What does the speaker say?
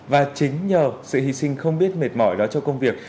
và chính nhờ sự hy sinh không biết mệt mỏi đó cho công việc